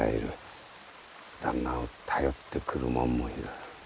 旦那を頼ってくる者もいる。